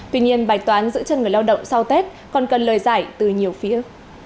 tuy nhiên bài toán giữ chân người lao động sau tết còn cần lời giải từ nhiều phía